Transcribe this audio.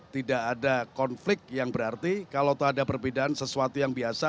tidak ada konflik yang berarti kalau itu ada perbedaan sesuatu yang biasa